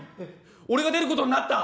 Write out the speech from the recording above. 俺が出ることになった」。